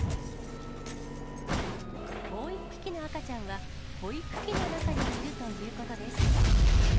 もう１匹の赤ちゃんは、保育器の中にいるということです。